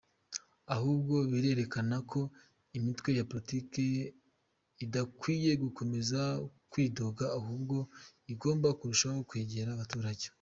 Ahubwo birerekana ko imitwe ya Politike idakwiye gukomeza kwidoga ahubwo igomba kurushaho kwegera abaturage.